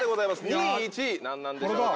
２位１位何なんでしょうか？